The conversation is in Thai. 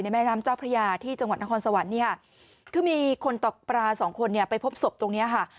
ในแม่น้ำเจ้าพระยาที่จังหวัดนครสวรรค์คือมีคนตกปลา๒คนไปพบศพตรงนี้